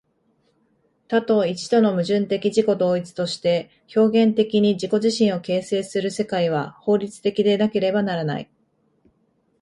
多と一との矛盾的自己同一として表現的に自己自身を形成する世界は、法律的でなければならない。